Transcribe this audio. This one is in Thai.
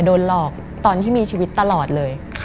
มันกลายเป็นรูปของคนที่กำลังขโมยคิ้วแล้วก็ร้องไห้อยู่